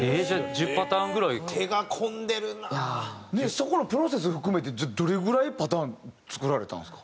そこのプロセス含めてじゃあどれぐらいパターン作られたんですか？